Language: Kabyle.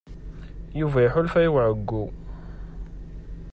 Yuba iḥulfa i uɛeyyu.